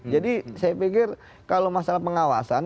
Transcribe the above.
jadi saya pikir kalau masalah pengawasan